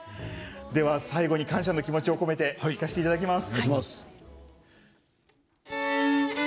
では、最後に感謝の気持ちを込めて弾かせていただきます。